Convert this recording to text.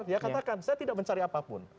dia katakan saya tidak mencari apapun